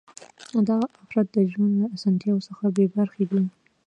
دغه افراد د ژوند له اسانتیاوو څخه بې برخې دي.